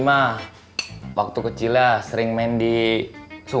masihshanan bobby sedang masih kecil